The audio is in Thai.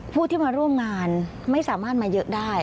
ผู้ที่มาร่วมงานไม่สามารถมาเยอะได้